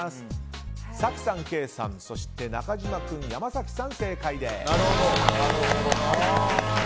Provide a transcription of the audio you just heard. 早紀さん、ケイさんそして中島君、山崎さん正解です。